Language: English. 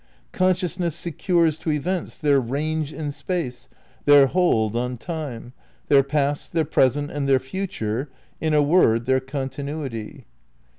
Consciousness secures to events their range in Space, their hold on Time, their past, their present and their future, in a word, their continuity.